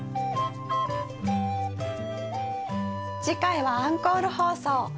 次回はアンコール放送。